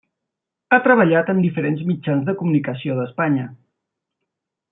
Ha treballat en diferents mitjans de comunicació d'Espanya.